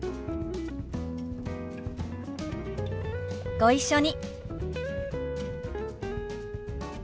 ご一緒に。